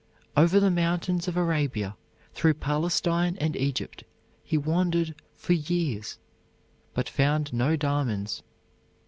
Over the mountains of Arabia, through Palestine and Egypt, he wandered for years, but found no diamonds.